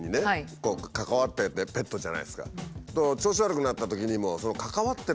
こう関わってペットじゃないですか。